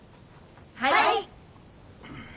はい！